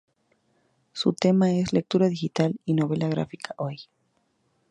Su tema es "Lectura Digital y Novela Gráfica hoy".